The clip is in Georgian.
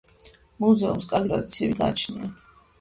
მუზეუმს კარგი ტრადიციები გააჩნია.